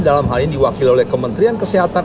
dalam hal ini diwakili oleh kementerian kesehatan